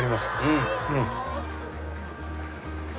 うんうん